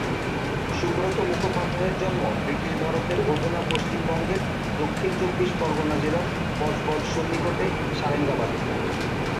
সুব্রত মুখোপাধ্যায়ের জন্ম বৃটিশ ভারতের অধুনা পশ্চিমবঙ্গের দক্ষিণ চব্বিশ পরগনা জেলার বজবজ সন্নিকটে সারেঙ্গাবাদে।